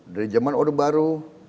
dari zaman odo baru